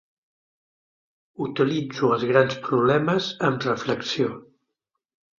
Utilitzo els grans problemes amb reflexió.